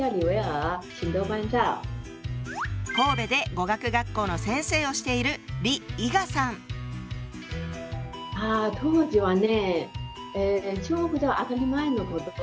神戸で語学学校の先生をしているああ当時はね